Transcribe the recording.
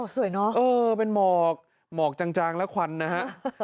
เนอะเออเป็นหมอกหมอกจางและควันนะฮะ